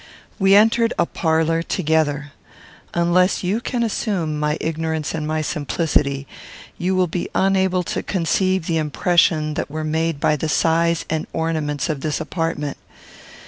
We entered a parlour together. Unless you can assume my ignorance and my simplicity, you will be unable to conceive the impressions that were made by the size and ornaments of this apartment.